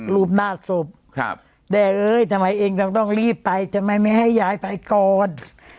รูปหน้าศพครับแต่เอ้ยทำไมเองต้องรีบไปทำไมไม่ให้ยายไปก่อน